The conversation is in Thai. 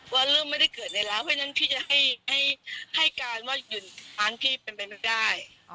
ว่าเริ่มไม่ได้เกิดในร้านเพราะฉะนั้นพี่จะให้การว่าอยู่ในร้านพี่เป็นไปไม่ได้